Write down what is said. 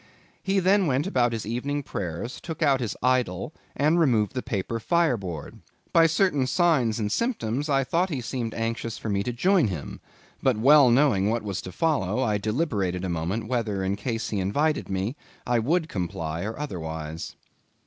He then went about his evening prayers, took out his idol, and removed the paper fireboard. By certain signs and symptoms, I thought he seemed anxious for me to join him; but well knowing what was to follow, I deliberated a moment whether, in case he invited me, I would comply or otherwise.